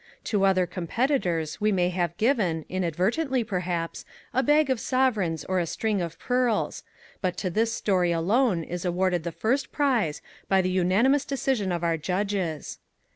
To other competitors we may have given, inadvertently perhaps, a bag of sovereigns or a string of pearls, but to this story alone is awarded the first prize by the unanimous decision of our judges.